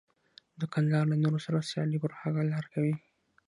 دوکاندار له نورو سره سیالي پر حقه لار کوي.